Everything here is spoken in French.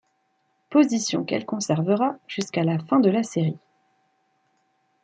Position qu'elle conservera jusqu'à la fin de la série.